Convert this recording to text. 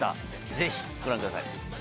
ぜひご覧ください。